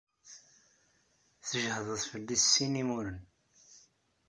Tǧehdeḍ fell-i s sin imuren.